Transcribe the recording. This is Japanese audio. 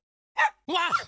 わっ！